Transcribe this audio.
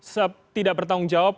setidak bertanggung jawab